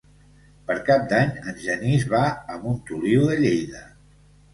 Per Cap d'Any en Genís va a Montoliu de Lleida.